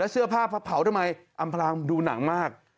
เสื้อผ้าเผาทำไมอำพลางดูหนังมาก